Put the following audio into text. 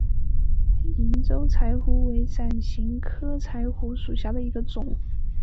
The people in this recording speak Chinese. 银州柴胡为伞形科柴胡属下的一个种。